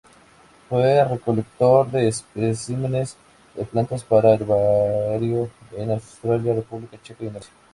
Fue recolector de especímenes de plantas para herbario en Australia, República Checa, Indonesia.